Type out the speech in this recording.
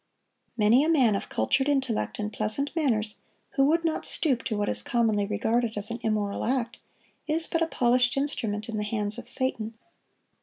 Many a man of cultured intellect and pleasant manners, who would not stoop to what is commonly regarded as an immoral act, is but a polished instrument in the hands of Satan.